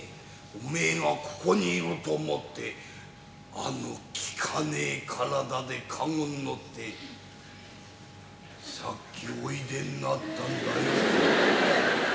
おめえがここにいると思ってあの利かねえ体で駕籠に乗ってさっきおいでになったんだよ。